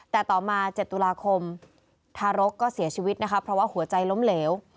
แต่ต่อมา๗ตุลาคมทารกก็เสียชีวิตนะคะเพราะว่าหัวใจล้มเหลว